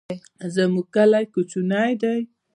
زمونږ کلی کوچنی دی